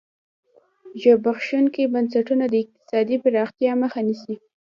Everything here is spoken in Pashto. زبېښونکي بنسټونه د اقتصادي پراختیا مخه نیسي.